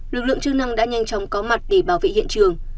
lực lượng chức năng đã nhanh chóng có mặt để bảo vệ hiện trường